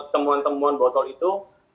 temuan temuan botol itu